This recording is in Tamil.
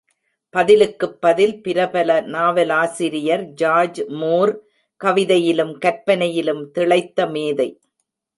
பதிலுக்கு பதில் பிரபல நாவலாசிரியர் ஜார்ஜ் மூர் கவிதையிலும் கற்பனையிலும் திளைத்த மேதை.